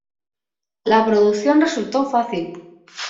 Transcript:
La producción resultó fácil.